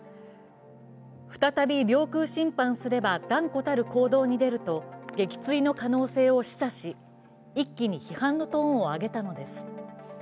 再び領空侵犯すれば断固たる行動に出ると撃墜の可能性を示唆し、一気に批判のトーンを上げたのです。